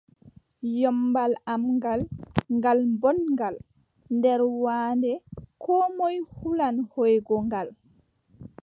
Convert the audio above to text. Ƴommbal am ngal, ngal booɗngal nder waande, koo moy hulan hooygo ngal.